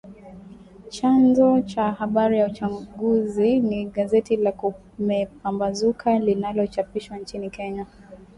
Chanzo cha habari za uchaguzi ni gazeti la “Kumepambazuka" linalochapishwa nchini Kenya.